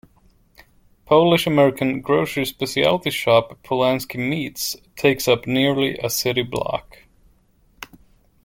Polish-American grocery specialty shop Pulaski Meats takes up nearly a city block.